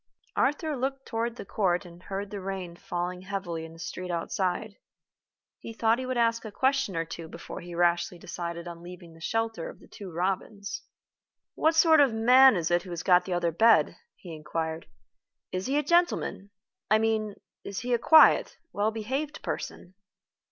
Arthur looked toward the court and heard the rain falling heavily in the street outside. He thought he would ask a question or two before he rashly decided on leaving the shelter of The Two Robins. "What sort of man is it who has got the other bed?" he inquired. "Is he a gentleman? I mean, is he a quiet, well behaved person?"